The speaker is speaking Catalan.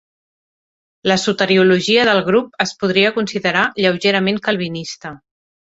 La soteriologia del grup es podria considerar lleugerament calvinista.